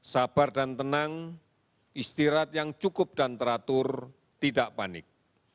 sabar dan tenang istirahat yang cukup dan teratur tidak panik